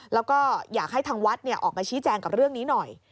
แล้วก็อยากให้ทางวัดออกมาชี้แจงกับเรื่องนี้หน่อย